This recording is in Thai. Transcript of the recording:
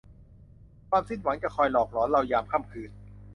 ความสิ้นหวังจะคอยหลอกหลอนเรายามค่ำคืน